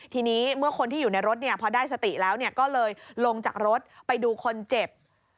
ทีนี้เมื่อคนที่อยู่ในรถพอได้สติแล้วก็เลยลงจากรถไปดูคนเจ็บ